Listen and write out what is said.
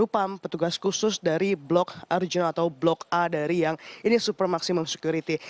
petugas khusus dari blok a dari yang ini super maximum security